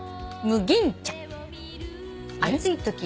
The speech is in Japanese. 麦茶。